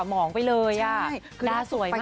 มองไปเลยดาสวยมาก